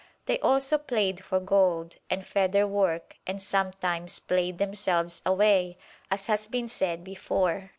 They also play'd for gold, and feather work, and sometimes play'd themselves away, as had been said before.